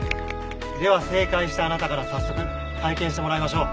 では正解したあなたから早速体験してもらいましょう。